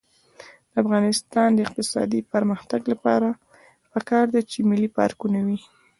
د افغانستان د اقتصادي پرمختګ لپاره پکار ده چې ملي پارکونه وي.